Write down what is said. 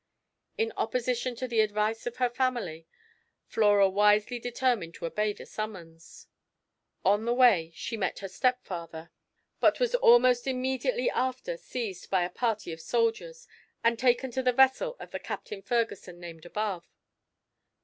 In opposition to the advice of her family, Flora wisely determined to obey the summons. On her way she met her stepfather, but was almost immediately after seized by a party of soldiers, and taken to the vessel of the Captain Ferguson named above.